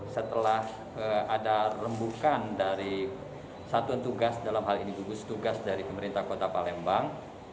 setelah ada rembukan dari satuan tugas dalam hal ini gugus tugas dari pemerintah kota palembang